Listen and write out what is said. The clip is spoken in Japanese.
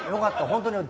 本当に俺